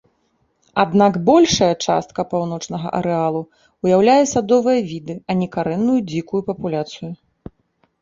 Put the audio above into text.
Аднак, большая частка паўночнага арэалу ўяўляе садовыя віды, а не карэнную дзікую папуляцыю.